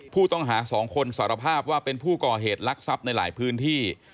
ผู้ต้องหา๒คนสารภาพว่าเป็นผู้ก่อเหตุลักษัพในหลายพื้นที่